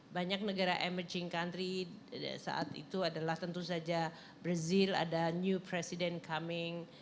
banyak negara emerging country saat itu adalah tentu saja brazil ada new president coming